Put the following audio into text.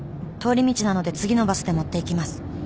「通り道なので次のバスで持っていきます」